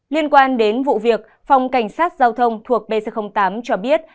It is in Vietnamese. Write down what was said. liên quan đến vụ việc phòng cảnh sát giao thông thuộc pc tám cho biết